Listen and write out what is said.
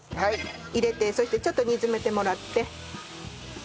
入れてそしてちょっと煮詰めてもらって。